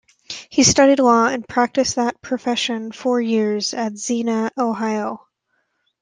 He studied law and practiced that profession four years at Xenia, Ohio.